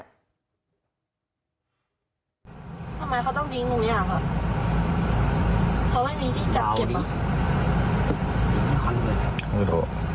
ทำไมเขาต้องดิ้งตรงนี้หรอครับเขาไม่มีที่จัดเก็บหรอ